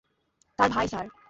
তার ভাই, স্যার।